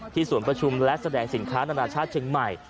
ศูนย์ประชุมและแสดงสินค้านานาชาติเชียงใหม่